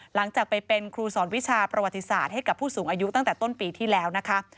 หลังจากไปเป็นครูสอนวิชาประวัติศาสตร์ให้กับผู้สูงอายุตั้งแต่ต้นปีที่แล้วนะคะ